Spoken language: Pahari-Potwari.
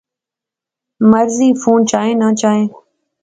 مرضی فون چائیں نہ چائیں